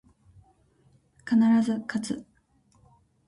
必ず、かつ